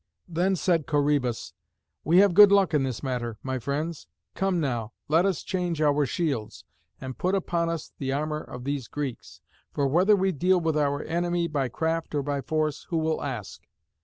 Then said Corœbus, "We have good luck in this matter, my friends. Come now, let us change our shields, and put upon us the armour of these Greeks. For whether we deal with our enemy by craft or by force, who will ask?"